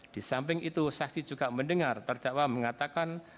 di samping itu saksi juga mendengar terdakwa mengatakan